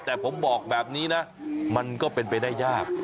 แต่ผมบอกแบบนี้นะมันก็เป็นไปได้ยาก